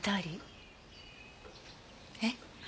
えっ？